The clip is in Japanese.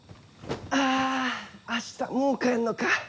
あぁ明日もう帰んのか。